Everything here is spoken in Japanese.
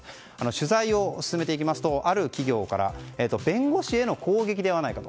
取材を進めていきますとある企業から弁護士への攻撃ではないかと。